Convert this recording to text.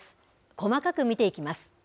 細かく見ていきます。